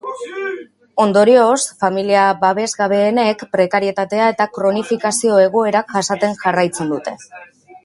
Ondorioz, familia babesgabeenek prekarietate eta kronifikazio egoerak jasaten jarraitzen dute.